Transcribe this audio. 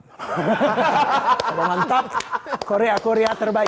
hahaha mantap korea korea terbaik